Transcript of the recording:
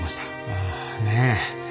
ああねえ。